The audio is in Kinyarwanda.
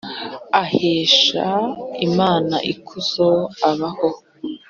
aheshe imana ikuzo abaho